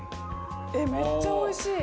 えっめっちゃおいしい。